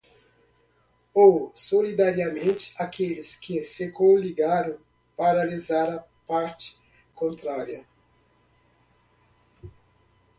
ou solidariamente aqueles que se coligaram para lesar a parte contrária